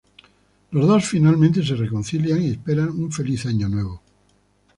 Los dos finalmente se reconcilian y esperan un feliz año nuevo.